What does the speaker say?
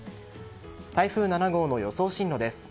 台風７号の予想進路です。